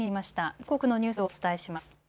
全国のニュースをお伝えします。